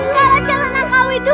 kalah celana kau itu